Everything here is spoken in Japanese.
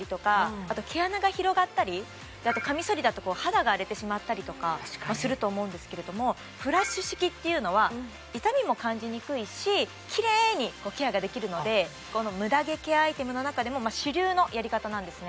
あと毛穴が広がったりあとカミソリだと肌が荒れてしまったりとかすると思うんですけれどもフラッシュ式っていうのは痛みも感じにくいしキレイにケアができるのでムダ毛ケアアイテムの中でも主流のやり方なんですね